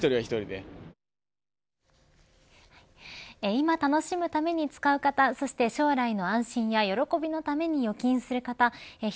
今楽しむために使う方そして将来の安心や喜びのために預金する方人